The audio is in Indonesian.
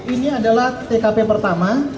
ini adalah tkp pertama